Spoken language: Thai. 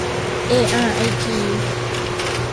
เออาร์ไอพี